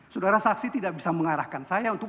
sudara saksi tidak bisa mengarahkan saya